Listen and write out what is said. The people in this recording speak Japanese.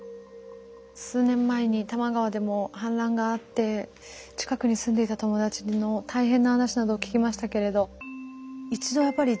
数年前に多摩川でも氾濫があって近くに住んでいた友達の大変な話などを聞きましたけれど。